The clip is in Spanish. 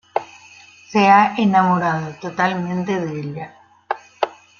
Se ha enamorado totalmente de ella.